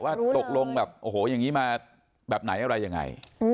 ว่าตกลงแบบโอ้โหอย่างนี้มาแบบไหนอะไรยังไง